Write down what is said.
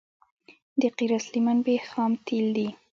د قیر اصلي منبع خام تیل دي